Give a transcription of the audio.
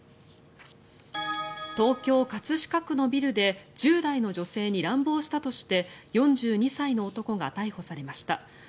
東京・葛飾区のビルで１０代の女性に乱暴したとして４２歳の男が逮捕されました。